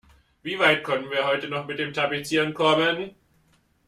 Wie weit können wir heute noch mit dem Tapezieren kommen?